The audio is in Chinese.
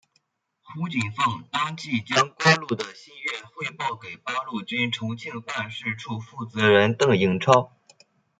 胡绣凤当即将关露的心愿汇报给八路军重庆办事处负责人邓颖超。